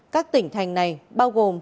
các tỉnh thành này bao gồm